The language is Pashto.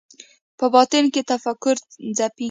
په باطن کې تفکر ځپي